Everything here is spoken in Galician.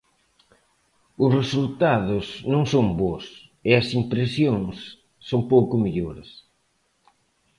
Os resultados non son bos, e as impresións son pouco mellores.